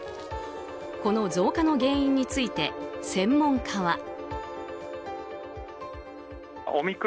この増加の原因について専門家は。